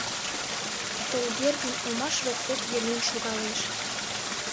Толгердин омаш воктек йымен шогалеш.